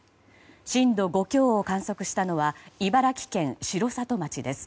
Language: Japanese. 震度５強を観測したのは茨城県城里町です。